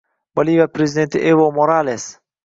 Boliviya prezidenti Evo Morales